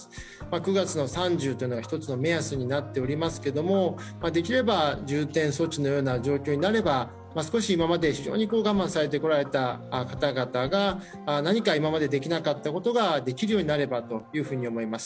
９月３０日が一つの目安になっておりますけれども、重点措置になれば少し今まで非常に我慢されてこられた方々が何か今までできなかったことができればというふうに思います。